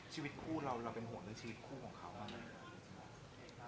ชีวิตคู่เราเราเป็นห่วงด้วยชีวิตคู่ของเขาหรือเปล่า